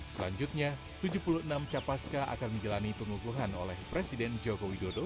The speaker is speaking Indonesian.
selanjutnya tujuh puluh enam capaska akan menjalani pengukuhan oleh presiden joko widodo